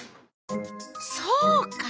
そうか！